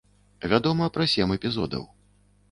Вядома пра сем эпізодаў.